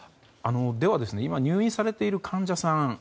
入院されている患者さん